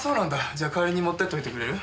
じゃあ代わりに持ってっといてくれる？